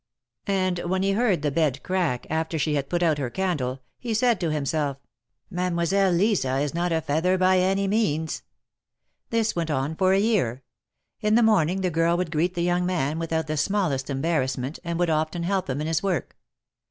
And when he heard THE MARKETS OF PARIS. 71 tlie bed crack after she had put out her candle, he said to himself: ^'Mademoiselle Lisa is not a feather by any means !" This went on for a year. In the morning the girl would greet the young man without the smallest embarrassment, and would often help him in his work.